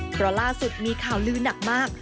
เพราะล่าสุดมีข่าวลือหนักมาก